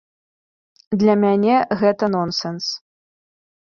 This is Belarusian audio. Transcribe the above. Для мяне гэта нонсэнс.